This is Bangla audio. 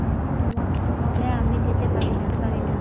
তোমাকে ফেলে আমি যেতে পারি না।